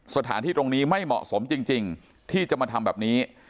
สถานที่ตรงนี้ไม่เหมาะสมจริงที่จะมาทำแบบนี้